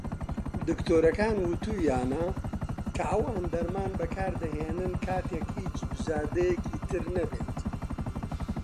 دکتۆرەکان وتوویانە کە ئەوان دەرمان بەکار دەهێنن کاتێک "هیچ بژاردەیەکی تر نەبێت".